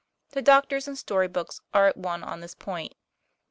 The doctors and story books are at one on this point.